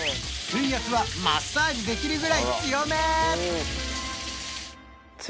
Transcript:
水圧はマッサージできるぐらい強め！